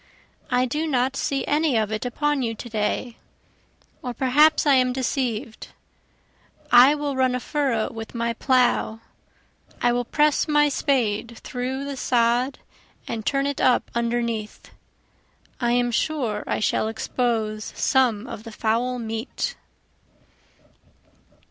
I do not see any of it upon you to day, or perhaps I am deceiv'd, I will run a furrow with my plough, I will press my spade through the sod and turn it up underneath, I am sure I shall expose some of the foul meat.